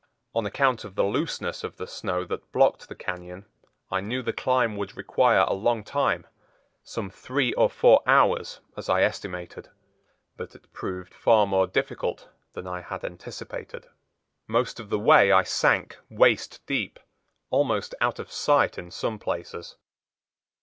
On account of the looseness of the snow that blocked the cañon I knew the climb would require a long time, some three or four hours as I estimated; but it proved far more difficult than I had anticipated. Most of the way I sank waist deep, almost out of sight in some places.